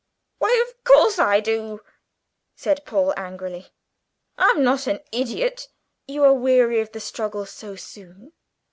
"Why, of course I do," said Paul angrily; "I'm not an idiot!" "You are weary of the struggle so soon?"